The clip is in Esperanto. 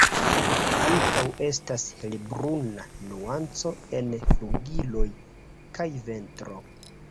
Ankaŭ estas helbruna nuanco en flugiloj kaj ventro.